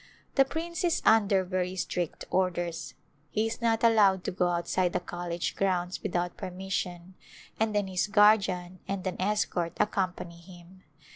The prince is under very strict orders ; he is not allowed to go outside the college grounds without per mission, and then his guardian and an escort accom pany him.